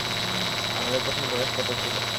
আমাদের তখন বয়স কত ছিল?